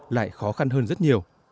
lại khó khăn hơn rất nhiều